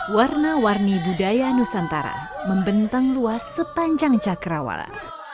warna warni budaya nusantara membentang luas sepanjang cakrawala